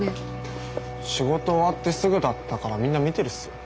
仕事終わってすぐだったからみんな見てるっすよ。